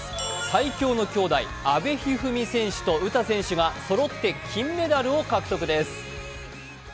最高のきょうだい、阿部一二三選手と詩選手がそろって金メダルを獲得です。